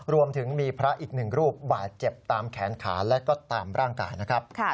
รวมถึงมีพระอีกหนึ่งรูปบาดเจ็บตามแขนขาและก็ตามร่างกายนะครับ